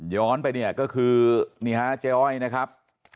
ย้อนไปเนี่ยก็คือนี่ฮะเจ๊อ้อยนะครับ